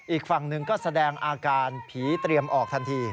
อีกฝั่งหนึ่งก็แสดงอาการผีเตรียมออกทันที